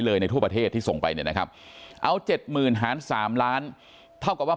ในทั่วประเทศที่ส่งไปเนี่ยนะครับเอา๗๐๐หาร๓ล้านเท่ากับว่า